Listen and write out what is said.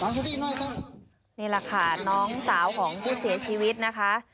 นี่แหละค่ะน้องสาวของผู้เสียชีวิตนะคะ